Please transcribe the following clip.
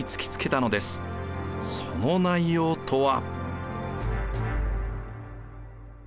その内容とは。